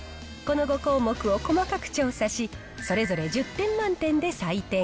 この５項目を細かく調査し、それぞれ１０点満点で採点。